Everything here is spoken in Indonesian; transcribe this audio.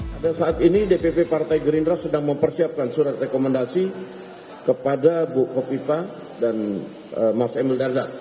pada saat ini dpp partai gerindra sedang mempersiapkan surat rekomendasi kepada bu kofifa dan mas emil dardak